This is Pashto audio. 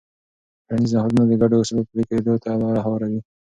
ټولنیز نهادونه د ګډو اصولو پلي کېدو ته لاره هواروي.